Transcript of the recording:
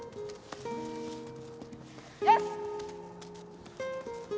よし！